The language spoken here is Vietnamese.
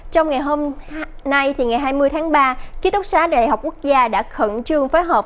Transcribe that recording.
trong ngày hôm nay ngày hai mươi tháng ba ký tốc xá đại học quốc gia đã khẩn trương phối hợp